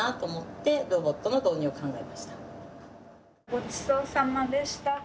ごちそうさまでした。